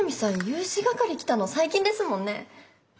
融資係来たの最近ですもんね。